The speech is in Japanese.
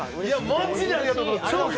マジでありがとうございます。